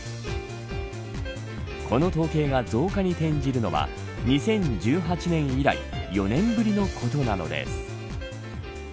この統計が増加に転じるのは２０１８年以来４年ぶりのことなんです。